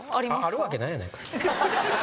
あるわけないやないか。